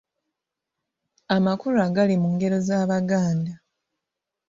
Amakulu agali mu ngero z’Abaganda.